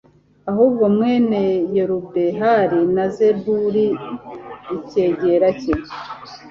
ahubwo mwene yerubehali na zebuli icyegera cye